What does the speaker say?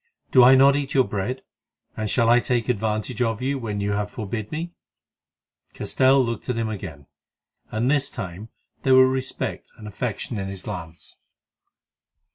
Do I not eat your bread? and shall I take advantage of you when you have forbid me?" Castell looked at him again, and this time there were respect and affection in his glance.